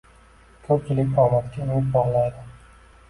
Ko‘pchilik omadga umid bog‘laydi